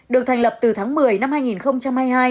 được thành lập từ tháng một mươi năm hai nghìn hai mươi hai